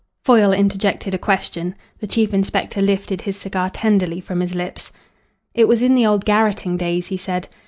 Foyle interjected a question. The chief inspector lifted his cigar tenderly from his lips. "It was in the old garrotting days," he said.